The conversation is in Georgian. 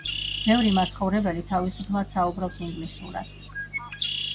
ბევრი მაცხოვრებელი თავისუფლად საუბრობს ინგლისურად.